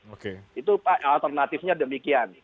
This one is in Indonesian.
oke itu alternatifnya demikian